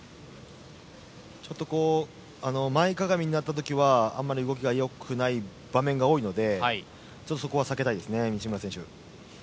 ちょっと前かがみになった時はあんまり動きがよくない場面が多いのでちょっとそこは避けたいですね西村選手。